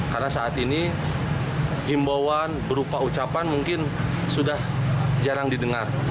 karena saat ini himbauan berupa ucapan mungkin sudah jarang didengar